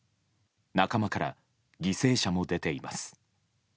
仲間から犠牲者も出ています。